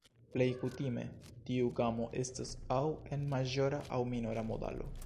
Plej kutime, tiu gamo estas aŭ en maĵora aŭ minora modalo.